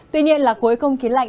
tuy nhiên là khối không khí lạnh